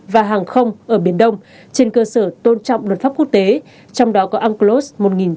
và hàng không ở biển đông trên cơ sở tôn trọng luật pháp quốc tế trong đó có unclos một nghìn chín trăm tám mươi hai